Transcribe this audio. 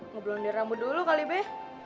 ngeblondir rambut dulu kali be